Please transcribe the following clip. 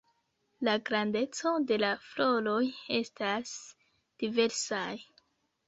La grandeco de la floroj estas diversaj.